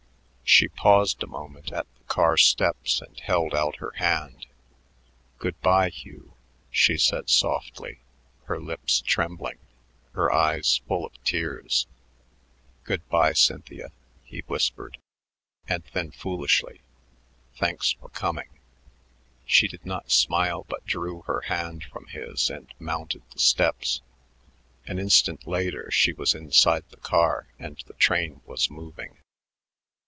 She paused a moment at the car steps and held out her hand. "Good by, Hugh," she said softly, her lips trembling, her eyes full of tears. "Good by, Cynthia," he whispered. And then, foolishly, "Thanks for coming." She did not smile but drew her hand from his and mounted the steps. An instant later she was inside the car and the train was moving.